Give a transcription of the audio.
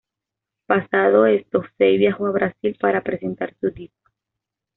Pasado esto Fey viajó a Brasil para presentar su disco.